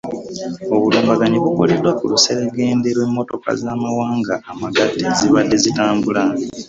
Obulumbaganyi bukoleddwa ku luseregende lw'emmotoka z'amawanga amagatte ezibadde zitambula.